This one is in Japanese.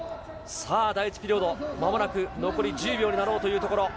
さあ、第１ピリオド、まもなく残り１０秒になろうというところ。